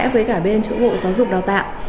với cả bên chủ ngội giáo dục đào tạo